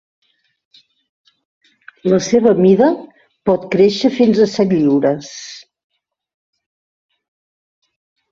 La seva mida pot créixer fins a set lliures.